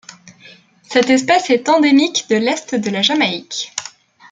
Cette espèce est endémique de l'Est de la Jamaïque.